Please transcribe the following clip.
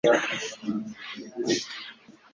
Wuname kuko ari ubwiza bw'amayobera